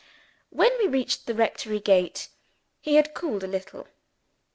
When we reached the rectory gate, he had cooled a little.